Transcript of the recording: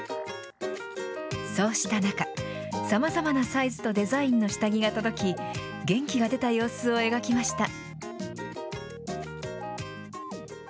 そうした中、さまざまなサイズとデザインの下着が届き、元気が出た様子を描きました。